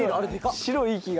白い息が。